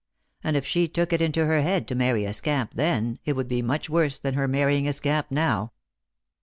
And if she took it into her head to marry a scamp then, it would be much worse than her marrying a scamp now."